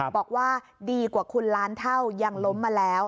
บอกว่าดีกว่าคุณล้านเท่ายังล้มมาแล้ว